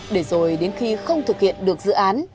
để rồi đến khi không thực hiện được dự án